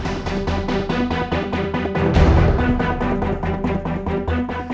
paman sudah mencoba